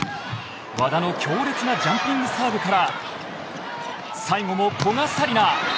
和田の強烈なジャンピングサーブから最後も古賀紗理那。